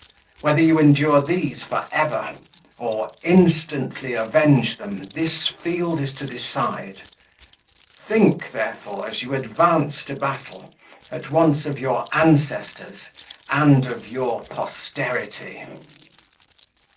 Whether you endure these for ever, or instantly avenge them, this field is to decide. Think, therefore, as you advance to battle, at once of your ancestors and of your posterity."